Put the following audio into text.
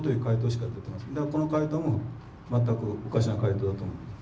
だからこの回答も全くおかしな回答だと思います。